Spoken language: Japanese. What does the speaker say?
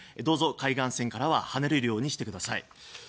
どうぞ海岸線からは離れるようにしてください。